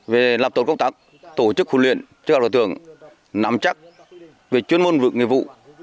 về lập tổn cốc tắc tổ chức huấn luyện chức hợp đội tưởng nắm chắc về chuyên môn vực nghề vụ